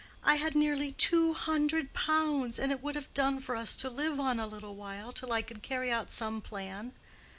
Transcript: I had nearly two hundred pounds, and it would have done for us to live on a little while, till I could carry out some plan."